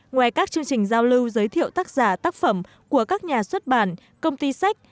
ngoài các chương trình giao lưu giới thiệu tác giả tác phẩm của các nhà xuất bản công ty sách